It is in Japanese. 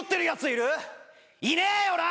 いねえよな